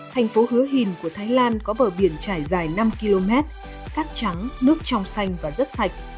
thành phố hứa hìn của thái lan có bờ biển trải dài năm km cát trắng nước trong xanh và rất sạch